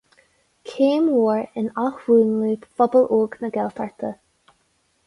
Céim mhór in athmhúnlú phobal óg na Gaeltachta.